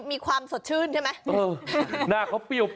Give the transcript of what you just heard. นี่มะนาวไม่ใช่น้ำตาล